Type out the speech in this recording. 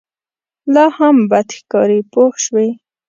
لا هم بد ښکاري پوه شوې!.